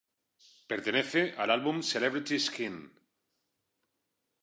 Pertenece al álbum Celebrity Skin.